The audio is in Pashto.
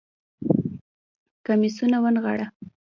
کميسونه ونغاړه